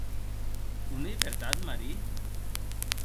Non ei vertat, Marie?